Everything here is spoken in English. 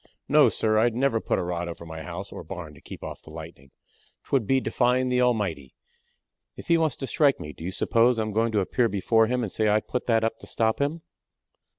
"No, sir; I'd never put a rod up over my house or barn to keep off the lightnin'. 'Twould be defyin' the Almighty. If he wants to strike me, do you suppose I'm goin' to appear before Him and say I put that up to stop him?"